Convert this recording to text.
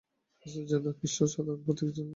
বস্তুত জৈনরাই ছিল কৃচ্ছসাধনার পথিকৃৎ।